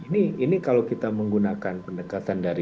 ini kalau kita menggunakan pendekatan dari